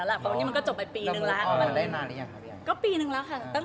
เพราะว่าเราจะไปอีกจุดหนึ่ง